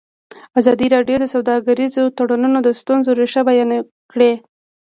ازادي راډیو د سوداګریز تړونونه د ستونزو رېښه بیان کړې.